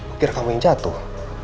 akhirnya kamu yang jatuh